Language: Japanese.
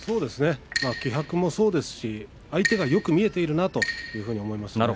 気迫もそうですが相手がよく見えているなと思います。